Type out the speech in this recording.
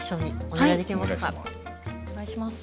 お願いします。